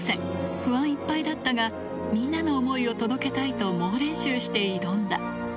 不安いっぱいだったが、みんなの思いを届けたいと、猛練習をして挑んだ。